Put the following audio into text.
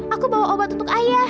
aku bawa obat untuk ayah